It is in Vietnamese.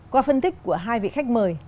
qua phân tích của hai vị khách mời